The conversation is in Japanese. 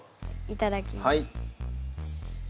いただきます。